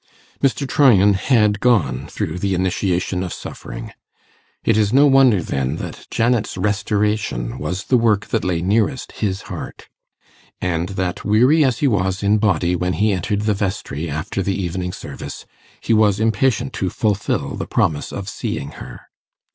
Mr. Tryan had gone through the initiation of suffering: it is no wonder, then, that Janet's restoration was the work that lay nearest his heart; and that, weary as he was in body when he entered the vestry after the evening service, he was impatient to fulfil the promise of seeing her.